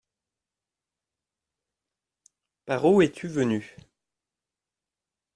Par où es-tu venu ?